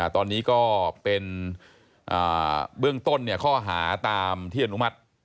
ตอนนี้ก็เป็นเบื้องต้นข้อหาตามที่อนุมัติ